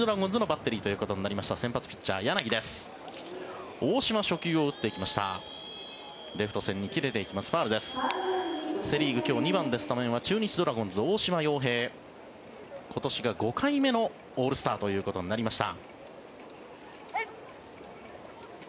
セ・リーグ今日２番でスタメンは中日ドラゴンズ、大島洋平今年が５回目のオールスターということになりました。